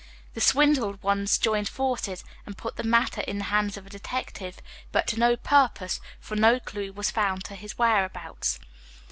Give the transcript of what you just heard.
The swindled ones joined forces and put the matter in the hands of a detective, but to no purpose, for no clue was found to his whereabouts.